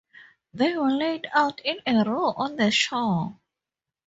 They were laid out in a row on the shore.